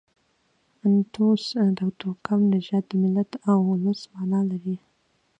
انتوس د توکم، نژاد، د ملت او اولس مانا لري.